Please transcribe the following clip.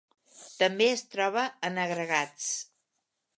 També es troba en agregats.